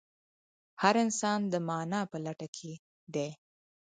هر انسان د مانا په لټه کې دی.